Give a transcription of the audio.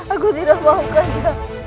aku tidak mau kanda